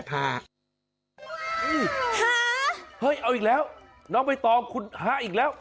ฮะเฮ้ยเอาอีกแล้วน้องใบตองคุณฮาอีกแล้ว